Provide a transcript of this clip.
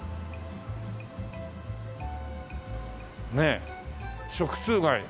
ねえ食通街。